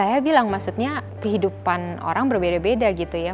saya bilang maksudnya kehidupan orang berbeda beda gitu ya